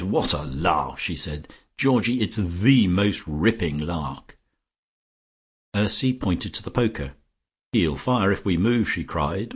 What a lark!" she said. "Georgie, it's the most ripping lark." Ursy pointed to the poker. "He'll fire if we move," she cried.